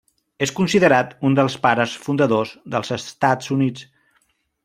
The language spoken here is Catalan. És considerat un dels Pares fundadors dels Estats Units.